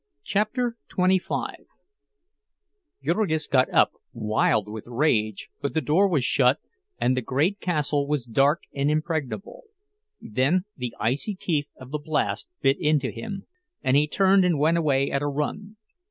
CHAPTER XXV Jurgis got up, wild with rage, but the door was shut and the great castle was dark and impregnable. Then the icy teeth of the blast bit into him, and he turned and went away at a run.